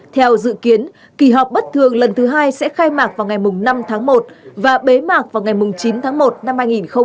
theo dự kiến kỳ họp bất thường lần thứ hai sẽ khai mạc vào ngày năm tháng một và bế mạc vào ngày chín tháng một năm hai nghìn hai mươi